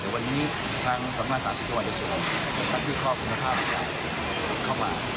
แต่วันนี้ทั้งสำหรับสาธารณะวัลยะโสท่านพี่ครอบคุณภาพก็เข้ามา